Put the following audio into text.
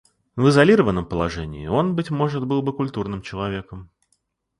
В изолированном положении он, быть может, был бы культурным человеком.